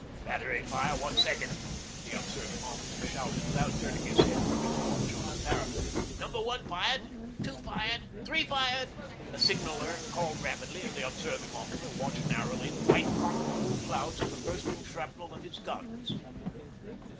'Battery fire one second,' the Observing Officer shouted without turning his head from his watch over the parapet. 'Number one fired two fired three fired,' the signaller called rapidly, and the Observing Officer watched narrowly the white cotton wool clouds of the bursting shrapnel of his guns.